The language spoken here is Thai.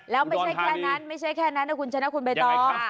แล้วไม่ใช่แค่นั้นนะคุณฉันเอาคุณไปต่อ